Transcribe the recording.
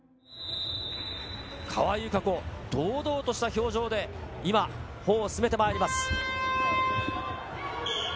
川井友香子、堂々とした表情で今、歩を進めてまいります。